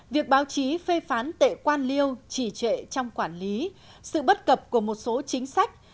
việc báo chí phê phán tệ quan liêu trì trệ trong quản lý sự bất cập của một số chính sách